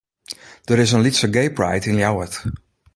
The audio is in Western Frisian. Der is in lytse gaypride yn Ljouwert.